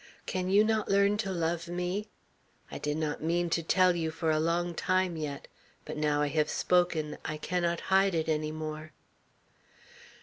Can you not learn to love me? I did not mean to tell you for a long time yet. But now I have spoken; I cannot hide it any more."